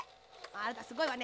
あなたすごいわね。